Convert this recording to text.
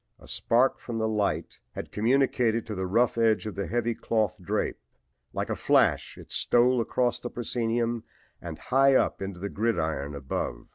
A spark from the light had communicated to the rough edge of the heavy cloth drape. Like a flash it stole across the proscenium and high up into the gridiron above.